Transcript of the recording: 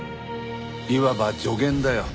いわば助言だよ。